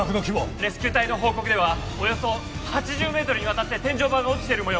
レスキュー隊の報告ではおよそ８０メートルにわたって天井板が落ちている模様